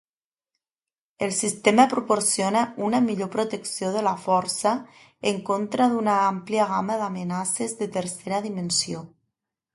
El sistema proporciona una millor protecció de la força en contra d'una àmplia gamma d'amenaces de tercera dimensió.